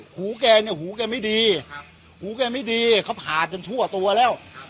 หูแกเนี่ยหูแกไม่ดีหูแกไม่ดีเขาผ่าจนทั่วตัวแล้ว